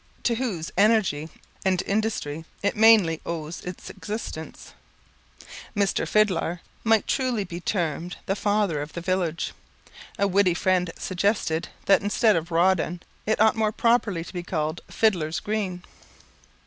to whose energy and industry it mainly owes its existence. Mr. Fidlar might truly be termed the father of the village. A witty friend suggested, that instead of Rawdon, it ought more properly to be called "Fidlar's Green."